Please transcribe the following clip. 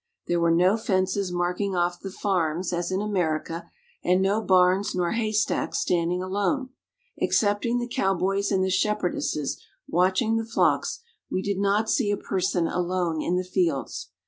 There were 322 RUSSIA. no fences marking off the farms as in America, and no barns nor haystacks standing alone. Excepting the cow boys and the shepherdesses watching the flocks, we did not see a person alone in the fields.